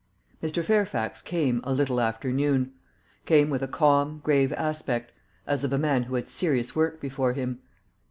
Mr. Fairfax came a little after noon came with a calm grave aspect, as of a man who had serious work before him.